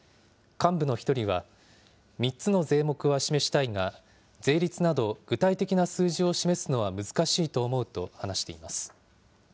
幹部の１人は、３つの税目は示したいが、税率など具体的な数字を示すのは難しいと思うと話しています。